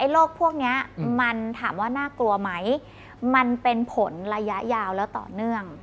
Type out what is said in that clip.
โรคพวกนี้มันถามว่าน่ากลัวไหมมันเป็นผลระยะยาวแล้วต่อเนื่อง